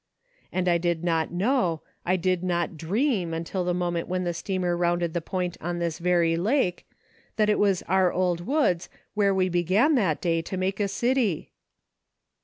And I did not know, I did not di^eain until the moment when the steamer rounded the point on this very lake, that it was our old woods where we began, that day, to make a city